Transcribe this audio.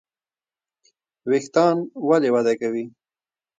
ویښتان ولې وده کوي؟